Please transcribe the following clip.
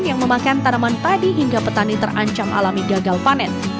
yang memakan tanaman padi hingga petani terancam alami gagal panen